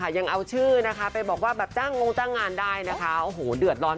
ยังเอาชื่อนะคะไปบอกว่าแบบจ้างงงจ้างงานได้นะคะโอ้โหเดือดร้อน